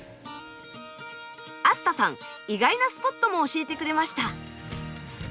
アスタさん意外なスポットも教えてくれました。